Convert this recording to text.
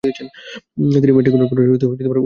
তিনি ম্যাট্রিকুলেশনে উত্তীর্ণ হন।